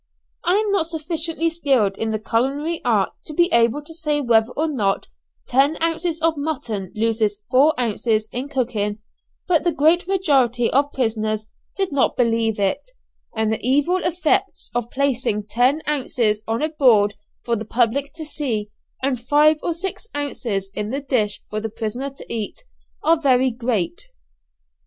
I am not sufficiently skilled in the culinary art to be able to say whether or not ten ounces of mutton loses four ounces in cooking, but the great majority of prisoners did not believe it; and the evil effects of placing ten ounces on a board for the public to see, and five or six ounces in the dish for the prisoner to eat, are very great.